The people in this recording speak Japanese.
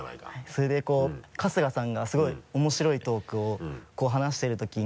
それでこう春日さんがすごい面白いトークを話しているときに。